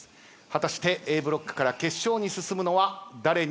果たしてＡブロックから決勝に進むのは誰になるのか。